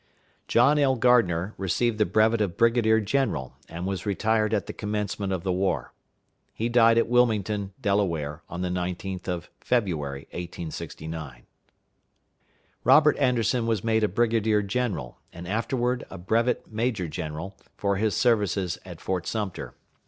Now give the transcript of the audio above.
John L. Gardner received the brevet of brigadier general, and was retired at the commencement of the war. He died at Wilmington, Delaware, on the 19th of February, 1869. Robert Anderson was made a brigadier general, and afterward a brevet major general, for his services at Fort Sumter.